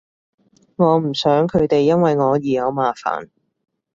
我唔想佢哋因為我而有麻煩